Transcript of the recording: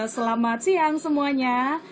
selamat siang semuanya